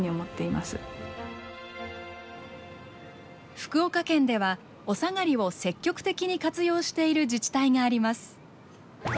福岡県ではおさがりを積極的に活用している自治体があります。